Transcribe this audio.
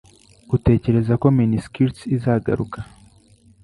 Utekereza ko miniskirts izagaruka?